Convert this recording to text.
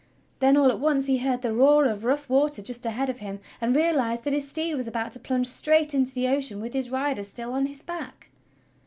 Then, all at once, he heard the roar of rough water just ahead of him, and realized that his steed was about to plunge straight into the ocean with his rider still on his back.